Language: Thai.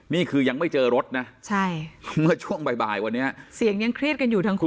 นี่คือยังไม่เจอรถนะใช่เมื่อช่วงบ่ายวันนี้เสียงยังเครียดกันอยู่ทั้งคู่